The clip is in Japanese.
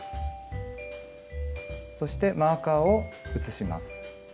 そしてマーカーを移します。